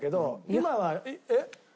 今はえっ？